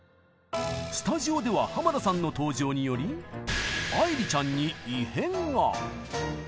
スタジオでは濱田さんの登場により愛理ちゃん